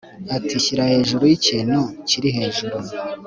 Ati Shyira hejuru yikintu kiri hejuru